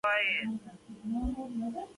د کونړ په څوکۍ کې د څه شي نښې دي؟